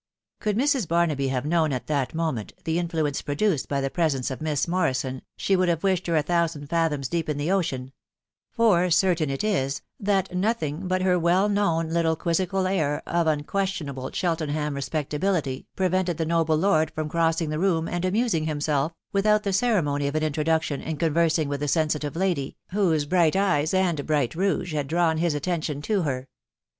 Could Mrs. Barnaby have known at that moment the a* fluence produced by the presence of Miss Morrison, she veil have wished her a thousand fathoms deep in the ocean ; fir certain it is, that nothing but her well known little quixiial air of unquestionable Cheltenham respectability prevented tk noble lord from crossing the room, and amusing himself, wife out the ceremony of an introduction, in conversing with the sensitive lady, whose bright eyes and bright rouge had fan his attention to her.